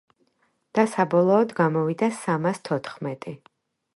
და საბოლოოდ გამოვიდა სამას თოთხმეტი.